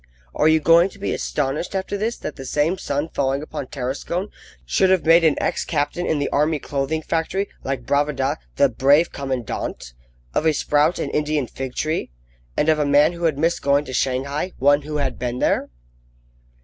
Are you going to be astonished after this that the same sun falling upon Tarascon should have made of an ex captain in the Army Clothing Factory, like Bravida, the "brave commandant;" of a sprout an Indian fig tree; and of a man who had missed going to Shanghai one who had been there?